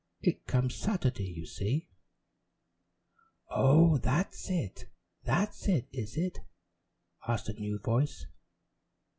It comes Saturday, you see " "Oh, that's it, that's it, is it?" asked a new voice.